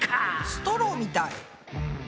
ストローみたい。